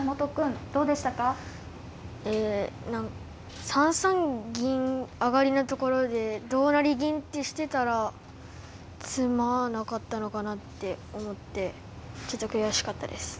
え３三銀上のところで同成銀ってしてたら詰まなかったのかなって思ってちょっと悔しかったです。